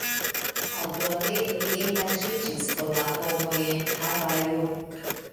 Aldone li engaĝiĝis por la homoj en Havajo.